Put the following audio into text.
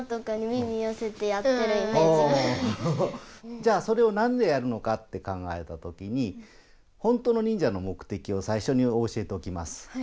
じゃあそれをなんでやるのかって考えたときにほんとの忍者のもくてきをさいしょに教えておきます。